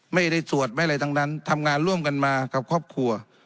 ไม่ได้สวดไม่อะไรทั้งนั้นทำงานร่วมกันมากับครอบครัว